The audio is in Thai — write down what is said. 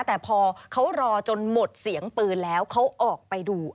แต่พอเขารอจนหมดเสียงปืนแล้วเขาออกไปดู